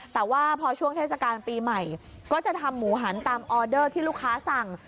แต่ว่าพอช่วงเทศกาลปีใหม่ก็จะทำหมูหันตามออเดอร์ที่ลูกค้าสั่ง